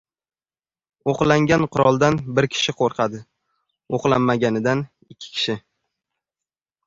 • O‘qlangan quroldan bir kishi qo‘rqadi, o‘qlanmaganidan ― ikki kishi.